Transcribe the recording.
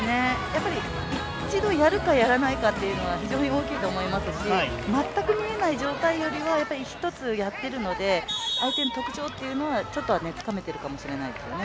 一度やるかやらないかというのは非常に大きいと思いますし、全く見えない状態よりひとつやっているので相手の特徴というのはちょっとはつかめていると思いますね。